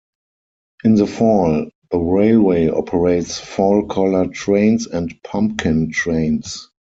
In the fall, the railway operates fall color trains and pumpkin trains.